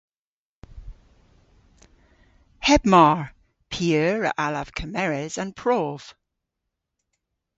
Heb mar. P'eur a allav kemeres an prov?